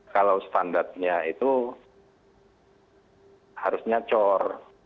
kalau standarnya itu harusnya cor